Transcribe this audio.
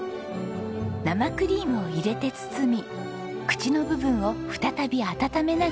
生クリームを入れて包み口の部分を再び温めながら縛ります。